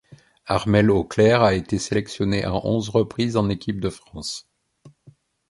Armelle Auclair a été sélectionnée à onze reprises en équipe de France.